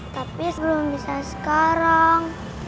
tapi belum bisa sekarang